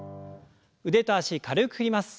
腕と脚軽く振ります。